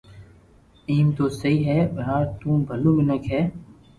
ايم تو سھي ھي يار تو ٻلو منيک ھي